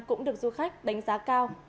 cũng được du khách đánh giá cao